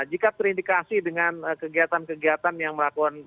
jika terindikasi dengan kegiatan kegiatan yang melakukan ppatk ya